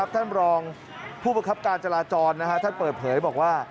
ท่านรองผู้ประคับการจราจรท่านเปิดเผยบอกว่า